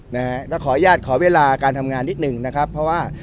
นะฮะแล้วขออนุญาตขอเวลาการทำงานนิดหนึ่งนะครับเพราะว่า